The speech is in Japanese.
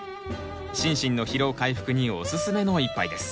心身の疲労回復におすすめの一杯です。